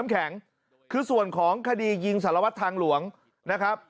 แข็งคือส่วนของคดียิงสารวัตรทางหลวงนะครับ